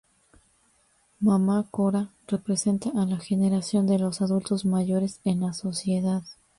Mamá Cora representa a la generación de los adultos mayores en la sociedad.